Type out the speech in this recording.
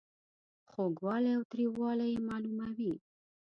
خوږوالی او تریووالی یې معلوموي.